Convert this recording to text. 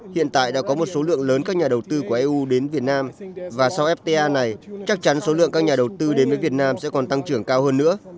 hiện tại đã có một số lượng lớn các nhà đầu tư của eu đến việt nam và sau fta này chắc chắn số lượng các nhà đầu tư đến với việt nam sẽ còn tăng trưởng cao hơn nữa